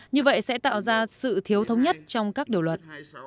như vậy sẽ tạo ra sự thiếu thống nhất trong các điều luật